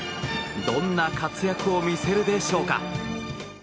どんな活躍を見せるでしょうか。